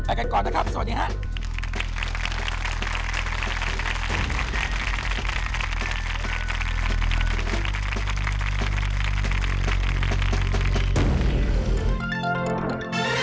กันก่อนนะครับสวัสดีครับ